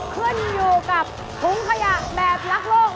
เคลื่อนอยู่กับถุงขยะแบบรักโลก